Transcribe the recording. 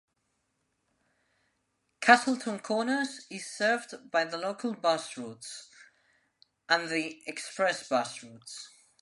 Castleton Corners is served by the local bus routes, and the express bus routes.